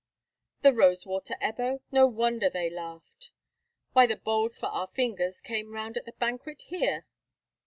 "The rose water, Ebbo! No wonder they laughed! Why, the bowls for our fingers came round at the banquet here."